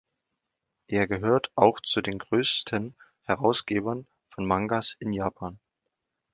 Er gehört auch zu den größten Herausgebern von Mangas in Japan.